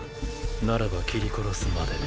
ならば斬り殺すまで。